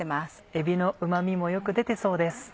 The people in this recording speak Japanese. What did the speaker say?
えびのうま味もよく出てそうです。